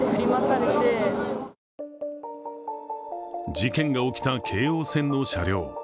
事件が起きた京王線の車両。